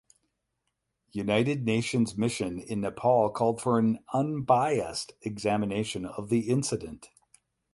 United Nations Mission in Nepal called for an unbiased examination of the incident.